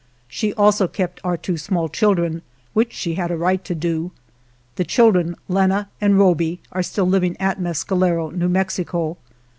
She also kept our two small children, which she had a right to do. The children, Lenna and Robbie, are still living at Mescalero, New Mexico.